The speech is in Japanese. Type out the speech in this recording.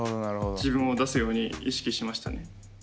自分を出すように意識しましたね。